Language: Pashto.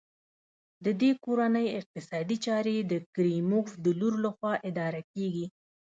د دې کورنۍ اقتصادي چارې د کریموف د لور لخوا اداره کېږي.